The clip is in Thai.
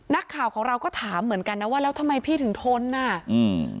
นักข่าวของเราก็ถามเหมือนกันนะว่าแล้วทำไมพี่ถึงทนน่ะอืม